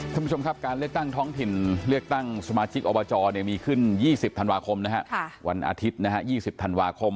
ท่านผู้ชมครับการเลือกตั้งท้องถิ่นเลือกตั้งสมาชิกอบจมีขึ้น๒๐ธันวาคมวันอาทิตย์๒๐ธันวาคม